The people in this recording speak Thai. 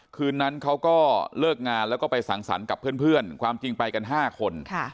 คืนนั้นเขาก็เลิกงานแล้วก็ไปสังสรรค์กับเพื่อนความจริงไปกัน๕คน